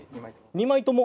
２枚とも？